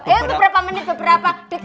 beberapa menit beberapa detik